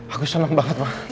aku seneng banget ma